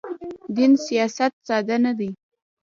دین سیاست ساده نه دی.